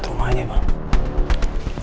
lihat ya mas